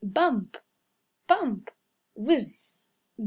Bump! Bump! Whiz!